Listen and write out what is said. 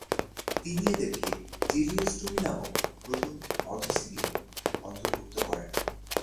তিনি এদেরকে টেলিওস্টোমি নামক নতুন অধঃশ্রেণীর অন্তর্ভুক্ত করেন।